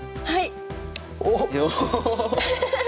はい！